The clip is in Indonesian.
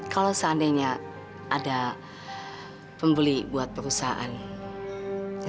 kalau seandainya ada pembeli buat perusahaan